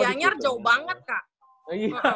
giyanyar jauh banget kak